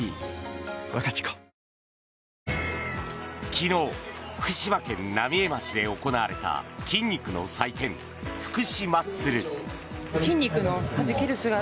昨日、福島県浪江町で行われた筋肉の祭典、福島ッスル。